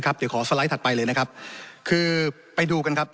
เดี๋ยวขอสไลด์ถัดไปเลยนะครับคือไปดูกันครับ